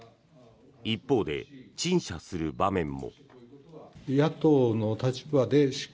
一方で陳謝する場面も。